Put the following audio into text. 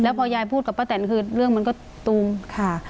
พอยายพูดกับป้าแตนคือเรื่องมันก็ตูมค่ะ